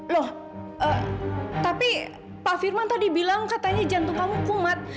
loh tapi pak firman tadi bilang katanya jantung kamu kumat